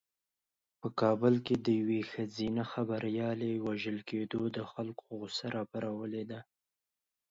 په کابل کې د یوې ښځینه خبریالې وژل کېدو د خلکو غوسه راپارولې ده.